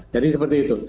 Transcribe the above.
jadi seperti itu